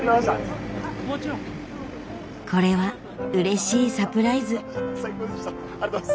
これはうれしいサプライズ。